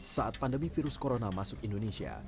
saat pandemi virus corona masuk indonesia